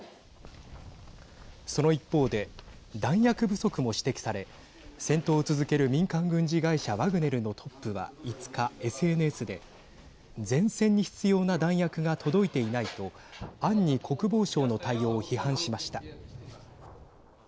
その一方で弾薬不足も指摘され戦闘を続ける民間軍事会社ワグネルのトップは５日ＳＮＳで前線に必要な弾薬が届いていないと暗に国防省の対応を批判しました。